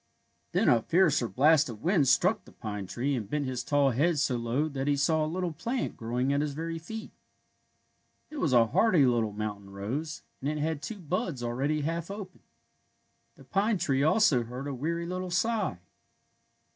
'^ Then a fiercer blast of wind struck the pine 116 A CHRISTMAS EOSE 117 tree and bent his tall head so low that he saw a little plant growing at his very feet. It was a hardy little mountain rose, and it had two buds already half open. The pine tree also heard a weary Little sigh.